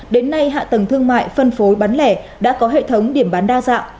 đến nay hạ tầng thương mại phân phối bán lẻ đã có hệ thống điểm bán đa dạng